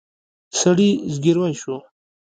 سړي زګېروی شو.